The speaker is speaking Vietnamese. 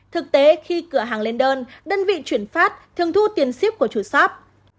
thực tế khi cửa hàng lên đơn đơn vị chuyển phát thường thu tiền ship của chủ shop